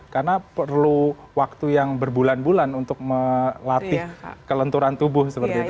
karena perlu waktu yang berbulan bulan untuk melatih kelenturan tubuh seperti itu